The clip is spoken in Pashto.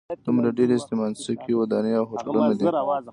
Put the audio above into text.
دومره ډېرې اسمانڅکي ودانۍ او هوټلونه دي.